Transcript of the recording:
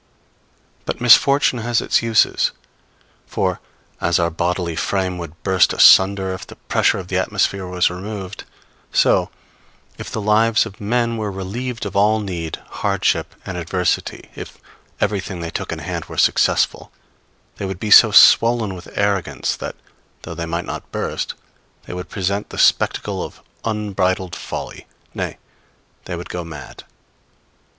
But misfortune has its uses; for, as our bodily frame would burst asunder if the pressure of the atmosphere was removed, so, if the lives of men were relieved of all need, hardship and adversity; if everything they took in hand were successful, they would be so swollen with arrogance that, though they might not burst, they would present the spectacle of unbridled folly nay, they would go mad.